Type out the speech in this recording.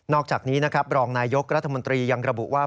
อกจากนี้นะครับรองนายยกรัฐมนตรียังระบุว่า